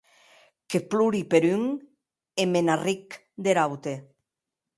Que plori per un, e me n’arric der aute.